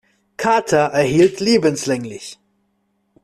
Carter erhielt lebenslänglich.